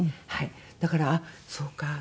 だから「あっそうか」。